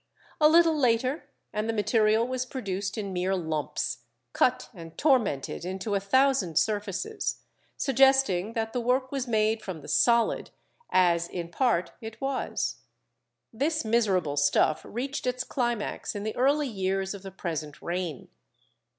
A little later and the material was produced in mere lumps, cut and tormented into a thousand surfaces, suggesting that the work was made from the solid, as, in part, it was. This miserable stuff reached its climax in the early years of the present reign.